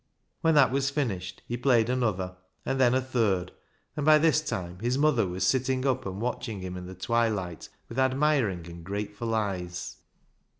When that was finished he played another, and then a third, and by this time his mother was sitting up and watching ISAAC'S ANGEL 267 him in the twilight with admiring and grateful eyes.